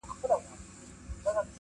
زما گلاب -گلاب دلبره نور به نه درځمه-